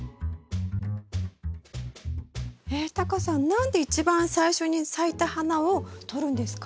えっタカさん何で一番最初に咲いた花をとるんですか？